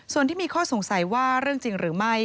ส่วนที่มีข้อสงสัยว่าเรื่องจริงหรือไม่